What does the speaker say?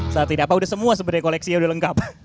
saat ini apa udah semua sebenarnya koleksi nya udah lengkap